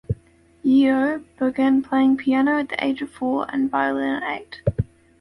Yeoh began playing piano at the age of four and violin at eight.